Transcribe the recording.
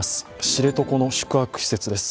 知床の宿泊施設です。